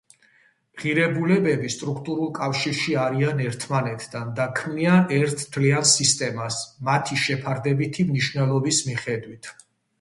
ღირებულებები სტრუქტურულ კავშირში არიან ერთმანეთთან და ქმნიან ერთ მთლიან სისტემას მათი შეფარდებითი მნიშვნელობის მიხედვით.